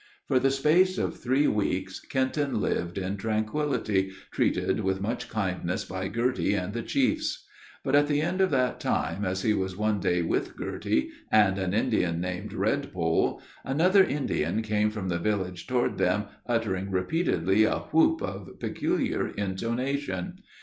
For the space of three weeks, Kenton lived in tranquility, treated with much kindness by Girty and the chiefs. But, at the end of that time, as he was one day with Girty and an Indian named Redpole, another Indian came from the village toward them, uttering repeatedly a whoop of peculiar intonation.